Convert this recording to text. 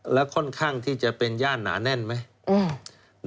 แล้วค่อนข้างที่จะเป็นย่านหนาแน่นไหม